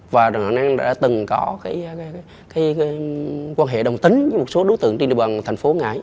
và nạn nhân đã từng có cái quan hệ đồng tính với một số đối tượng trên đỉa bằng của thành phố